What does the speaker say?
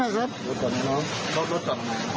กลุ่มตัวเชียงใหม่